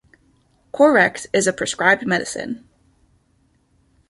Corex is a prescribed medicine.